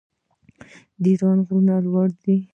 د ایران غرونه لوړ دي.